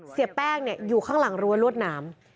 เสียแป้งเนี่ยอยู่ข้างหลังรัวรวดน้ำ